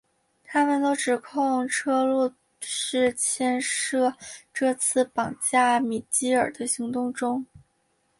他们都指控车路士牵涉这次绑架米基尔的行动中。